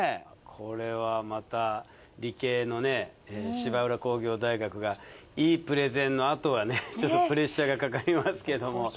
これはまた理系の芝浦工業大学がいいプレゼンのあとはねちょっとプレッシャーがかかりますけども。